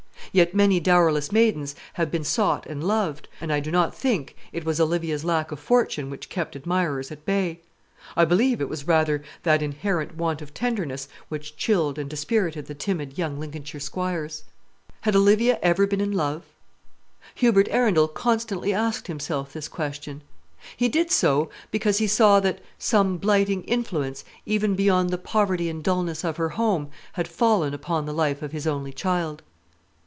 Yet many dowerless maidens have been sought and loved; and I do not think it was Olivia's lack of fortune which kept admirers at bay. I believe it was rather that inherent want of tenderness which chilled and dispirited the timid young Lincolnshire squires. Had Olivia ever been in love? Hubert Arundel constantly asked himself this question. He did so because he saw that some blighting influence, even beyond the poverty and dulness of her home, had fallen upon the life of his only child.